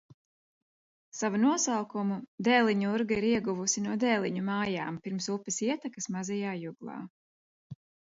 Savu nosaukumu Dēliņurga ir ieguvusi no Dēliņu mājām pirms upes ietakas Mazajā Juglā.